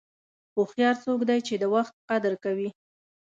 هوښیار څوک دی چې د وخت قدر کوي.